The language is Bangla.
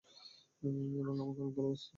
এবং আমাকে অনেক ভালোবাসত।